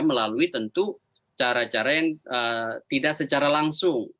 melalui tentu cara cara yang tidak secara langsung